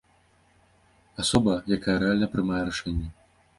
Асоба, якая рэальна прымае рашэнні.